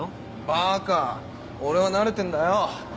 ばか俺は慣れてんだよ。